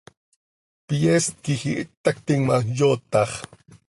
Pyeest quij ihít tactim ma, yootax.